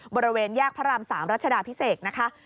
บริเวณแยกพระราม๓รัชดาพิเศษนะคะ